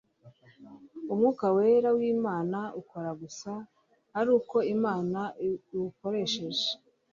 umwuka wera w'Imana ukora gusa ari uko Imana iwukoresheje